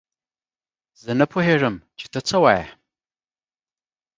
زه نه پوهېږم چې تۀ څۀ وايي.